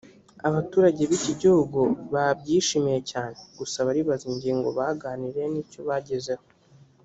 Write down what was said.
abaturage b’iki gihugu babyishimiye cyane gusa baribaza ingingo baganiriye n’icyo bagezeho